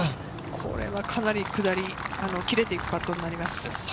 これはかなり下り、切れていくことになります。